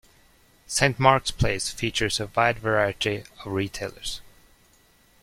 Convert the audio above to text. Saint Mark's Place features a wide variety of retailers.